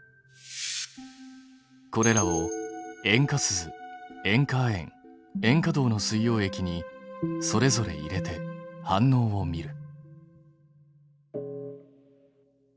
これらを塩化スズ塩化亜鉛塩化銅の水溶液にそれぞれ入れて反応を見る。